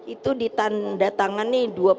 itu ditanda tangan